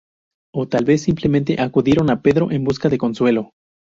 O, tal vez, simplemente acudieron a Pedro en busca de consuelo.